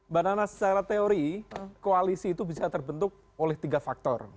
mbak nana secara teori koalisi itu bisa terbentuk oleh tiga faktor